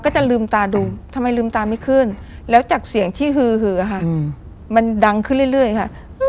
จะลืมตาดูทำไมลืมตาไม่ขึ้นแล้วจากเสียงที่ฮือค่ะมันดังขึ้นเรื่อยค่ะ